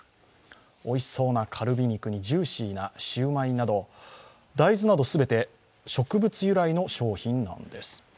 おいしそうなカルビ肉にジューシーなシューマイなど、大豆など全て植物由来の商品なんです。